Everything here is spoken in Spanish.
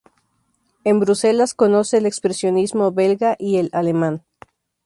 En Bruselas conoce el expresionismo belga y el alemán.